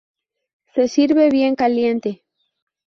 Se sirve bien caliente.